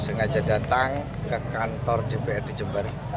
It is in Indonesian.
sengaja datang ke kantor dprd jember